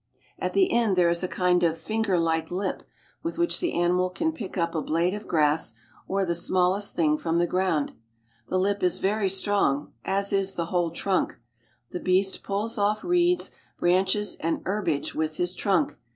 At the end there 1 kind of fingcrlike lip with which the animal can pick ■ttp a blade of grass or the smallest thing from the ground. "he lip is very strong, as is the whole trunk. The beast pulls off reeds, branches, and herbage with his trunk.